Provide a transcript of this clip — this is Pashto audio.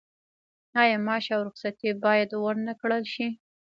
آیا معاش او رخصتي باید ورنکړل شي؟